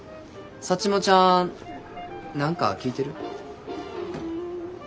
サッチモちゃん何か聞いてる？